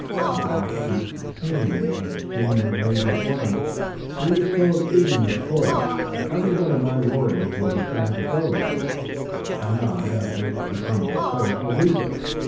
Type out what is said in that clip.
The Mohawk chieftain came, and, when the scheme was laid before him, he was full of eagerness for it. "Every one of my warriors will be glad to go," he said, "and I, as becomes my place, will lead them.